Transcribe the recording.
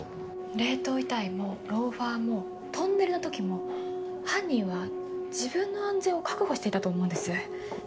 冷凍遺体もローファーもトンネルの時も犯人は自分の安全を確保していたと思うんです。